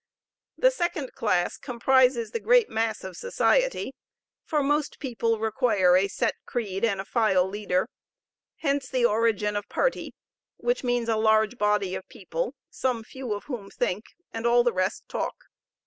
The second class comprises the great mass of society; for most people require a set creed and a file leader. Hence the origin of party, which means a large body of people, some few of whom think, and all the rest talk.